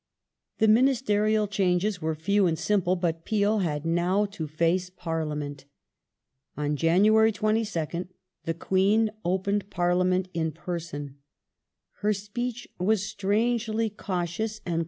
The ministerial changes were few and simple, but Peel had now The Ses to face Parliament. On January 22nd the Queen opened Parlia ^^°^°^ ment in person. Her speech was strangely cautious and colourless.